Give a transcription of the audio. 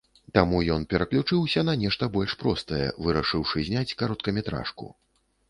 Таму ён пераключыўся на нешта больш простае, вырашыўшы зняць кароткаметражку.